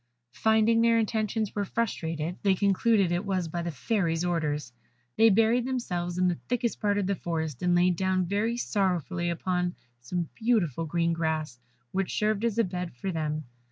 Finding their intentions were frustrated, they concluded it was by the Fairy's orders. They buried themselves in the thickest part of the forest, and laid down very sorrowfully upon some beautiful green grass, which served as a bed for them.